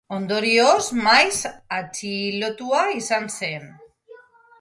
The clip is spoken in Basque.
Ondorioz, maiz atxilotua izan zen.